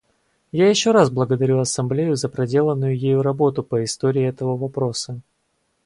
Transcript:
Я еще раз благодарю Ассамблею за проделанную ею работу по истории этого вопроса.